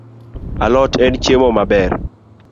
Alot en chiemo maber